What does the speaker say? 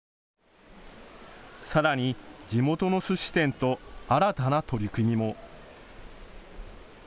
さらに、地元のすし店と新たな取り組みも。